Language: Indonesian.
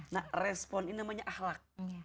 nah respon ini namanya akhlak